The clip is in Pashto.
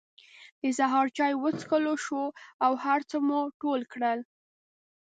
د سهار چای وڅکل شو او هر څه مو ټول کړل.